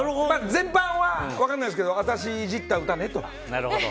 全般は分からないですけど私をイジった歌ね、とか。